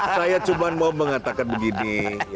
saya cuma mau mengatakan begini